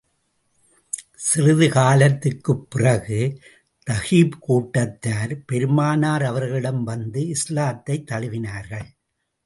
சிறிது காலத்துக்குப் பிறகு, தகீப் கூட்டத்தார் பெருமானார் அவர்களிடம் வந்து இஸ்லாத்தைத் தழுவினார்கள்.